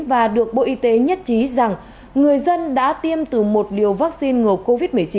và được bộ y tế nhất trí rằng người dân đã tiêm từ một liều vaccine ngừa covid một mươi chín